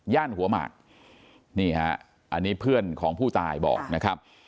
หัวหมากนี่ฮะอันนี้เพื่อนของผู้ตายบอกนะครับ